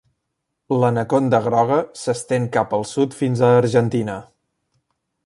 L'anaconda groga s'estén cap al sud fins a Argentina.